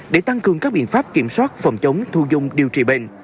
để tăng cường các biện pháp kiểm soát phòng chống thu dung điều trị bệnh